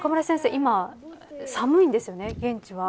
今、寒いんですよね、現地は。